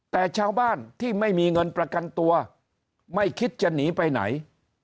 แต่ชาวบ้านที่ไม่มีเงินประกันตัวไม่คิดจะหนีไปไหน